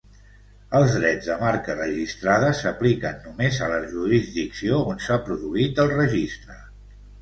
Els drets de marca registrada s'apliquen només a la jurisdicció on s'ha produït el registre.